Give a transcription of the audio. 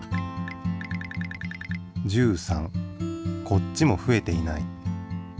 こっちもふえていない。